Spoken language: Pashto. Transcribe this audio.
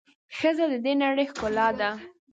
ښځه د د نړۍ ښکلا ده.